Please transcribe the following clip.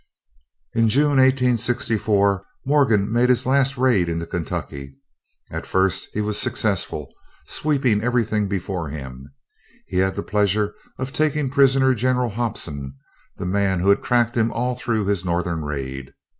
In June, 1864, Morgan made his last raid into Kentucky. At first he was successful, sweeping everything before him. He had the pleasure of taking prisoner General Hobson, the man who had tracked him all through his Northern raid.